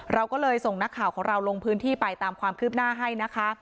เราก็เลยส่งนักข่าวของเราลงพื้นที่ไปตามความคืบหน้าให้นะคะ